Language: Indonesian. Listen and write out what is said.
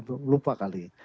mungkin lupa kali ya